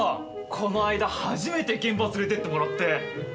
この間初めて現場連れてってもらって！